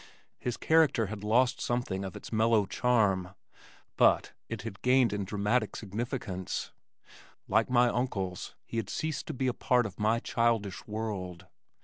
His character had lost something of its mellow charm but it had gained in dramatic significance. Like my uncles he had ceased to be a part of my childish world.